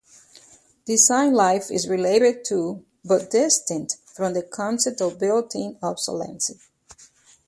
Design life is related to but distinct from the concept of built-in obsolescence.